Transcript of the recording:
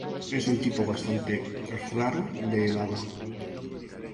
Es un tipo bastante raro de helada.